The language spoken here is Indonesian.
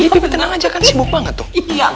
bibi tenang aja kan sibuk banget tuh